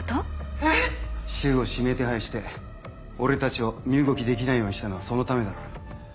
えぇ⁉柊を指名手配して俺たちを身動きできないようにしたのはそのためだろ。